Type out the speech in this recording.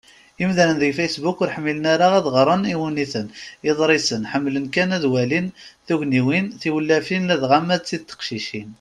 Imdanen deg Facebook ur ḥmmilen ara ad ɣren iwenniten, iḍrisen; ḥemmlen kan ad walin tugniwin, tiwlafin, ladɣa ma d tid n teqcicin.